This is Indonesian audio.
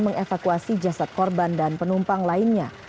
mengevakuasi jasad korban dan penumpang lainnya